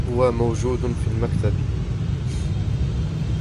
هو موجودٌ في المكتَب.